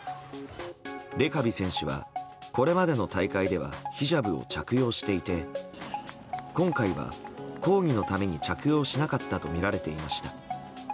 レカビ選手はこれまでの大会ではヒジャブを着用していて今回は抗議のために着用しなかったとみられていました。